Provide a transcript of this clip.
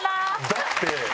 だって。